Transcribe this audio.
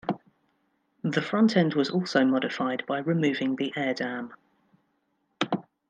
The front end was also modified by removing the air dam.